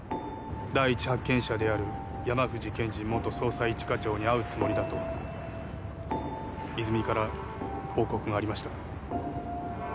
第一発見者である山藤憲治元捜査一課長に会うつもりだと泉から報告がありました